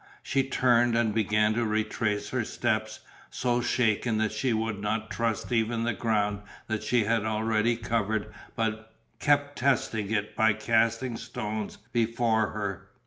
She turned and began to retrace her steps, so shaken that she would not trust even the ground that she had already covered but kept testing it by casting stones before her.